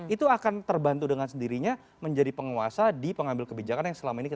itu akan terbantu dengan sendirinya menjadi penguasa di pengambil kebijakan yang selama ini